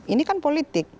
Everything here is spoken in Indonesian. ini kan politik